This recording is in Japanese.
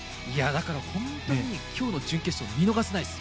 だから本当に今日の準決勝、見逃せないです。